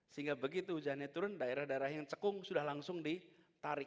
sehingga begitu hujannya turun daerah daerah yang cekung sudah langsung ditarik